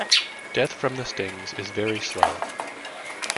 Death from the stings is very slow.